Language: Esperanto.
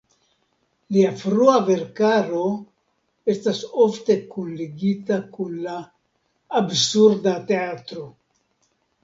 Lia frua verkaro estas ofte kunligita kun la "Absurda Teatro".